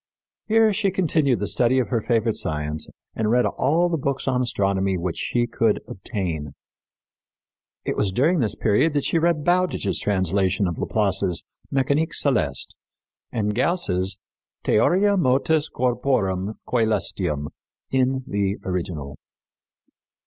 Here she continued the study of her favorite science, and read all the books on astronomy which she could obtain. It was during this period that she read Bowditch's translation of Laplace's Mécanique Céleste and Gauss's Theoria Motus Corporum Cælestium in the original.